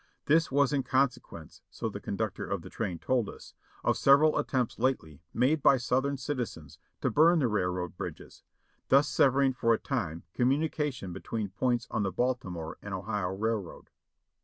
This was in consequence (so the conductor of the train told us) of several attempts lately made by Southern citizens to burn the railroad bridges, thus severing for a time communication between points on the Baltimore and Ohio Rail road.